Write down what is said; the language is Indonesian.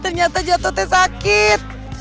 ternyata jatuh teh sakit